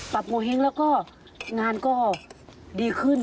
โงเห้งแล้วก็งานก็ดีขึ้น